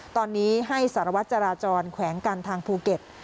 ตอนนี้ให้สารวัตรจราจรแขวงการทางภูเก็ต